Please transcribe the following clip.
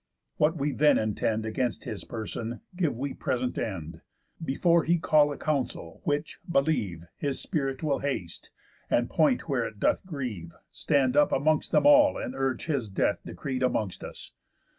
What we then intend Against his person, give we present end, Before he call a council, which, believe, His spirit will haste, and point where it doth grieve, Stand up amongst them all, and urge his death Decreed amongst us.